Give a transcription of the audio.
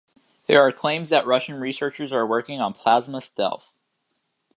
There are claims that Russian researchers are working on "plasma stealth".